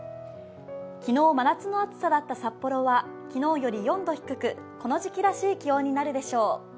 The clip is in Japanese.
昨日、真夏の暑さだった札幌は昨日より４度低くこの時期らしい気温になるでしょう。